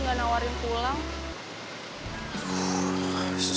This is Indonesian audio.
pak anda sudah selesai eerste bu instruct